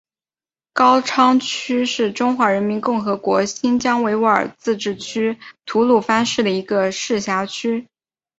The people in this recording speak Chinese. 高昌区是中华人民共和国新疆维吾尔自治区吐鲁番市的一个市辖区。